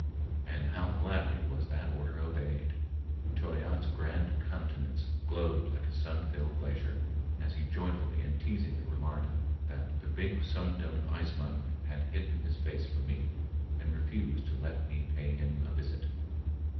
And how gladly was that order obeyed! Toyatte's grand countenance glowed like a sun filled glacier, as he joyfully and teasingly remarked that "the big Sum Dum ice mountain had hidden his face from me and refused to let me pay him a visit."